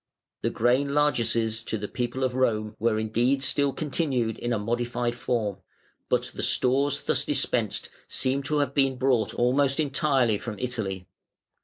The grain largesses to the people of Rome were indeed still continued in a modified form, but the stores thus dispensed seemed to have been brought almost entirely from Italy.